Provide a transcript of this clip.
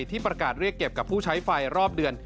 ที่ประกาศเรียกเก็บกับผู้ใช้ไฟรอบเดือน